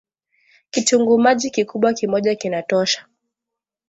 Kitunguu maji Kikubwa kimoja kinatosha